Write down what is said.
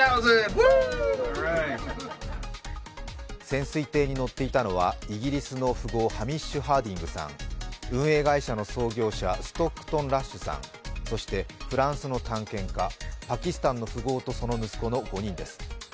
潜水艇に乗っていたのはイギリスのの富豪ハミッシュ・ハーディングさん、運営会社の創業者、ストックトン・ラッシュ氏さん、そしてフランスの探検家、パキスタンの富豪とその息子の５人です。